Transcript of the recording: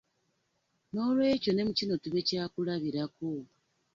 N'olwekyo ne mu kino tube kya kulabirako